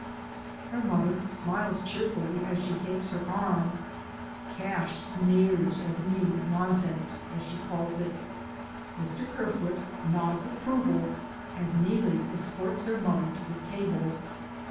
Her mother smiles cheerfully, as she takes her arm. Cash sneers at Neelie's nonsense — as she calls it. Mr. Kerfoot nods approval, as Neelie escorts her mother to the table.